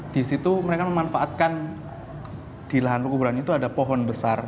di situ mereka memanfaatkan di lahan pekuburan itu ada pohon besar